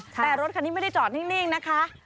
แต่รถคันนี้ไม่ได้จอดนิ่งนะคะ